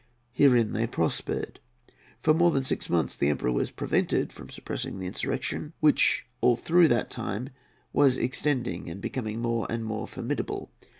Herein they prospered. For more than six months the Emperor was prevented from suppressing the insurrection, which all through that time was extending and becoming more and more formidable.